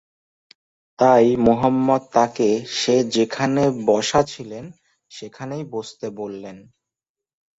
তাই মুহাম্মদ তাকে সে যেখানে বসা ছিলেন সেখানেই বসতে বললেন।